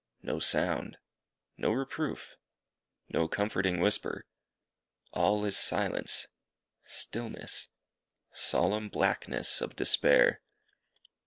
No sound. No reproof. No comforting whisper. All is silence stillness solemn blackness of despair.